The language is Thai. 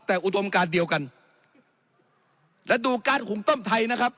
แต่อุดมการเดียวกันและดูการขุงต้มไทยนะครับ